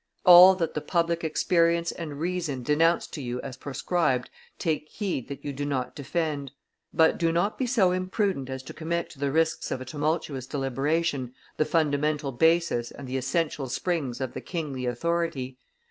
All that the public experience and reason denounce to you as proscribed, take heed that you do not defend; but do not be so imprudent as to commit to the risks of a tumultuous deliberation the fundamental basis and the essential springs of the kingly authority.